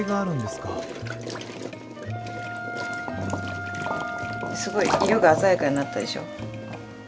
すごい色が鮮やかになったでしょ。